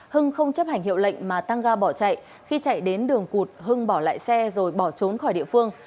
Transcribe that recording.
hưng không chấp hành hiệu lệnh mà tăng ga bỏ chạy khi chạy đến đường cụt hưng bỏ lại xe rồi bỏ trốn khỏi địa phương